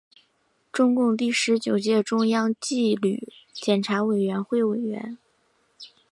中共第十九届中央纪律检查委员会委员。